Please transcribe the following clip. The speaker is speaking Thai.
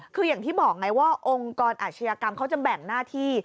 คืออย่างที่บอกไงว่าองค์กรอาชญากรรมเขาจะแบ่งหน้าที่